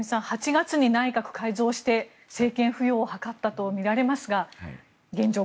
８月に内閣改造して政権浮揚を図ったとみられますが現状